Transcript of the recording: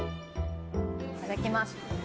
いただきます。